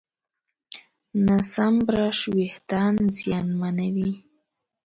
ناسم برش وېښتيان زیانمنوي.